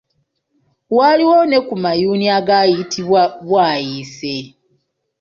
Waliwo ne ku mayuuni agayitibwa Bwayiise.